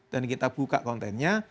dan kita buka kontennya